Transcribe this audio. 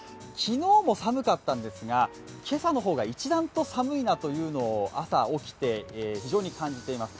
昨日も寒かったんですが、今朝の方が、一段と寒いなというのを朝、起きて、非常に感じています。